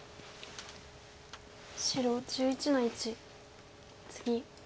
白１１の一ツギ。